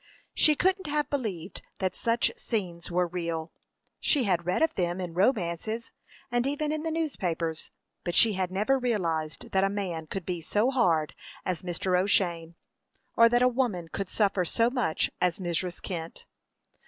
She couldn't have believed that such scenes were real. She had read of them in romances, and even in the newspapers; but she had never realized that a man could be so hard as Mr. O'Shane, or that a woman could suffer so much as Mrs. Kent.